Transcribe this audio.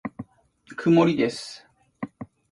曇りです。